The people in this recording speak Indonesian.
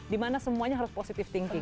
dimana semuanya harus positive thinking